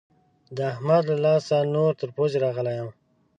د احمد له لاسه نور تر پوزې راغلی يم.